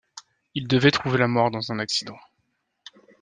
Il devait trouver la mort le dans un accident.